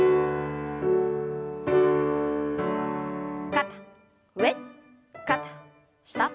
肩上肩下。